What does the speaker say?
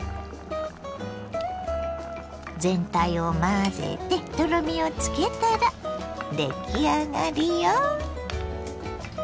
全体を混ぜてとろみをつけたらでき上がりよ。